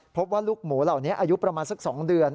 พบว่าลูกหมูเหล่านี้อายุประมาณสัก๒เดือน